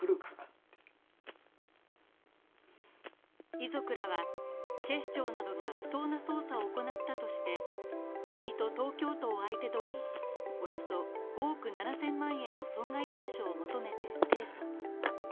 遺族らは警視庁などが不当な捜査を行ったとして、国と東京都を相手取りおよそ５億７０００万円の損害賠償を求めて提訴。